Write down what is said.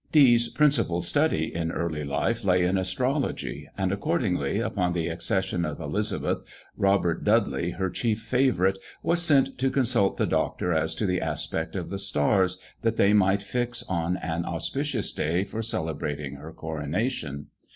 Dee's principal study in early life lay in astrology; and accordingly, upon the accession of Elizabeth, Robert Dudley, her chief favourite, was sent to consult the doctor as to the aspect of the stars, that they might fix on an auspicious day for celebrating her coronation.